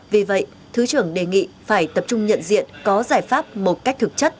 vì vậy thứ trưởng đề nghị phải tập trung nhận diện có giải pháp một cách thực chất